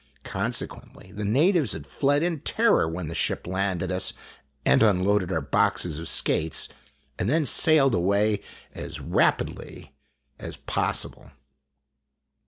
Consequently, the natives had fled in terror when the ship landed us and unloaded our boxes of skates and then sailed away as rapidly as possible.